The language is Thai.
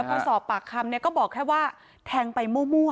แล้วพอสอบปากคำก็บอกแค่ว่าแทงไปมั่ว